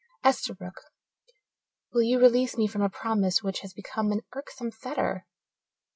Esterbrook, will you release me from a promise which has become an irksome fetter?"